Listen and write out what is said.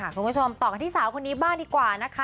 คุณผู้ชมต่อกันที่สาวคนนี้บ้างดีกว่านะคะ